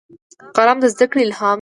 قلم د زدهکړې الهام دی